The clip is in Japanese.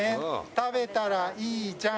「食べたらいいじゃん！」